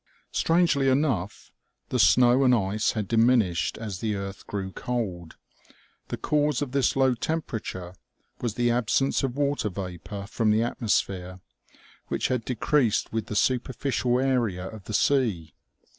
Strangely enough, the snow and ice had diminished as the earth grew cold ; the cause of this low temperature was the absence of water vapor from the atmosphere, which had decreased with the superficial area of the sea.